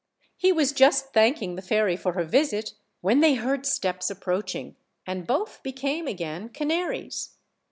He was just thanking the fairy for her visit when they heard steps approaching, and both became again canaries.